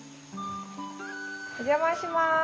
お邪魔します。